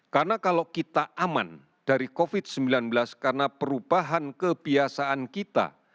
karena kalau kita aman dari covid sembilan belas karena perubahan kebiasaan kita